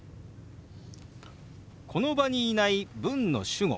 この場にいない文の主語